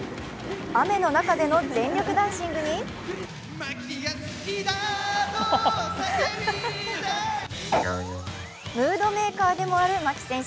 雨の中での全力ダンシングにムードメーカーでもある牧選手。